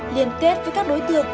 liên kết với các đối tượng